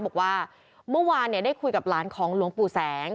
บอกว่าเมื่อวานได้คุยกับหลานของหลวงปู่แสง